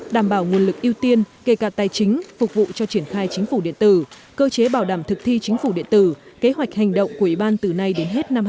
đảm bảo nguồn lực ưu tiên kể cả tài chính phục vụ cho triển khai chính phủ điện tử cơ chế bảo đảm thực thi chính phủ điện tử kế hoạch hành động của ủy ban từ nay đến hết năm hai nghìn hai mươi